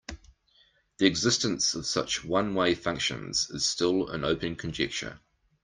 The existence of such one-way functions is still an open conjecture.